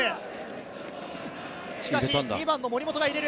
しかし、２番の森本が入れる。